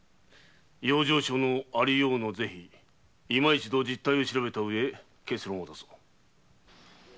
養生所のありようの是非いま一度実態を調べた上で結論を出そう。